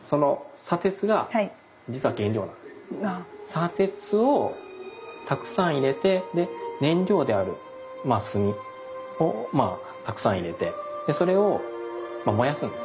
砂鉄をたくさん入れてで燃料であるまあ炭をまあたくさん入れてでそれをまあ燃やすんです。